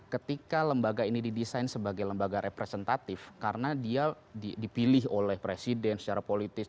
ketika lembaga ini didesain sebagai lembaga representatif karena dia dipilih oleh presiden secara politis